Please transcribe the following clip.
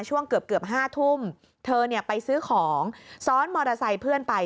ช่วงเกือบ๕ทุ่มเธอไปซื้อของซ้อนมอเตอร์ไซค์เพื่อนไป